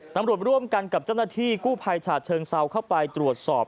ตำรวจร่วมกันกับเจ้าหน้าที่กู้ภัยฉาเชิงเซาเข้าไปตรวจสอบ